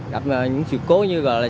gặp những sự cố như gọi là